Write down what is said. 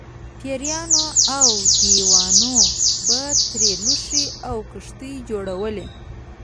پېریانو او دیوانو به ترې لوښي او کښتۍ جوړولې.